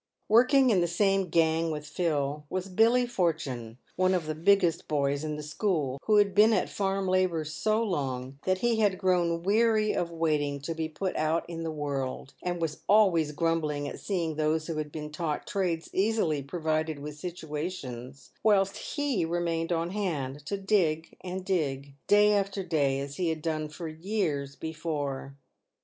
"Working in the same gang with Phil was Billy Fortune, one of the biggest boys in the school, who had been at farm labour so long that he had grown weary of waiting to be put out in the world, and was always grumbling at seeing those who had been taught trades easily provided with situations, whilst he remained on hand to dig and dig day after day as he had done for years before.